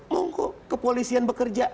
monggo kepolisian bekerja